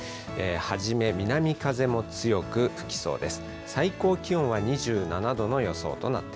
はじめ南風も強く吹きそうです。